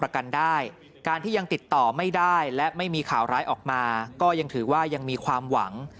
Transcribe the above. การที่ยังติดต่อไม่ได้และไม่มีข่าวร้ายออกมาก็ยังถือว่ายังมีความหวัง